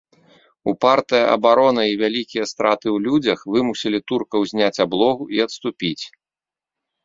Упартая абарона і вялікія страты ў людзях вымусілі туркаў зняць аблогу і адступіць.